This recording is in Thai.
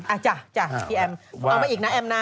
อ่ะจ้ะจ้ะพี่แอมเอามาอีกนะแอมนะ